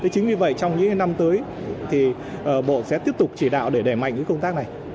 chính vì vậy trong những năm tới thì bộ sẽ tiếp tục chỉ đạo để đẩy mạnh công tác này